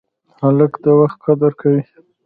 هلک د وخت قدر کوي.